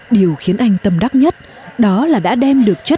điều khiến anh tâm đắc nhất đó là đã đem được chất